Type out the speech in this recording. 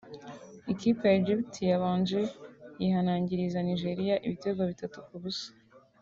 ikipe ya Egypt yabanje yihanangiriza Nigeria ibitego bitatu ku busa